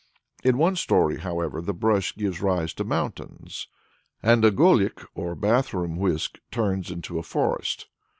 In one story, however, the brush gives rise to mountains, and a golik, or bath room whisk, turns into a forest.